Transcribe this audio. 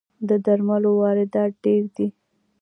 د درملو واردات ډیر دي